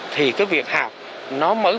thì cái việc học nó mới